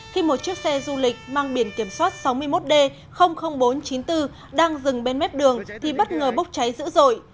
khi một chiếc xe du lịch mang biển kiểm soát sáu mươi một d bốn trăm chín mươi bốn đang dừng bên mép đường thì bất ngờ bốc cháy dữ dội